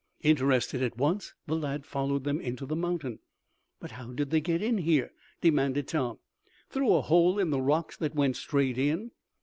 Interested at once, the lad followed them into the mountain. "But, how did they get in here?" demanded Tom. "Through a hole in the rocks, that went straight in."